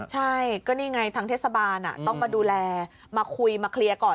ใช่ก็นี่ไงทางเทศบาลต้องมาดูแลมาคุยมาเคลียร์ก่อน